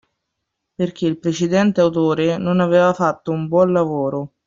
Perché il precedente autore non aveva fatto un buon lavoro.